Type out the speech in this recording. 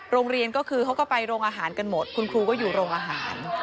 โรงเรียนก็คือเขาก็ไปโรงอาหารกันหมดคุณครูก็อยู่โรงอาหาร